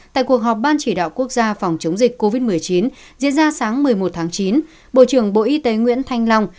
tại cuộc họp ban chỉ đạo quốc gia phòng chống dịch covid một mươi chín diễn ra sáng một mươi một tháng chín bộ trưởng bộ y tế nguyễn thanh long